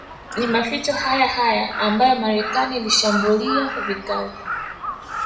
Ni maficho hayahaya ambayo Marekani Ilishambulia vikali